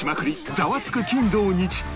ザワつく金土日！」